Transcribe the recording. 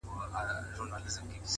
د حقیقت رڼا فریب ته ځای نه پرېږدي،